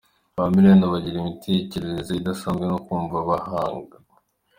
Ba Milena bagira imitekerereze idasanzwe no kumva bahanga